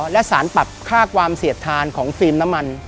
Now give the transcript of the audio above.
และสารปรับค่าความเสียดทานของฟิล์มน้ำมัน